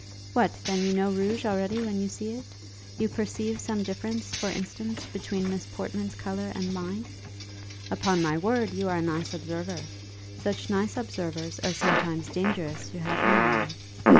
"What, then you know rouge already when you see it? You perceive some difference, for instance, between Miss Portman's colour and mine? Upon my word, you are a nice observer. Such nice observers are sometimes dangerous to have near one."